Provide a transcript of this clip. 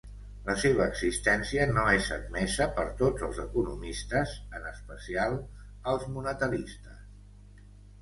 La seva existència no és admesa per tots els economistes, en especial els monetaristes.